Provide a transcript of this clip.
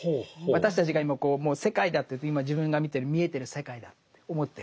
私たちが今世界だといって今自分が見てる見えてる世界だと思ってる。